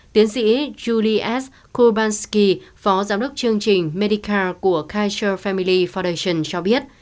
tiến sĩ julie s kolbanski phó giám đốc chương trình medi cal của kaiser family foundation cho biết